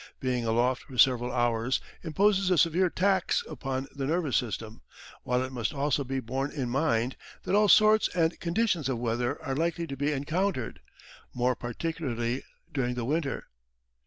Being aloft for several hours imposes a severe tax upon the nervous system, while it must also be borne in mind that all sorts and conditions of weather are likely to be encountered, more particularly during the winter.